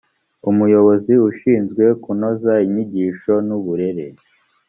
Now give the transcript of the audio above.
umuyobozi ushinzwe kunoza inyigisho n uburere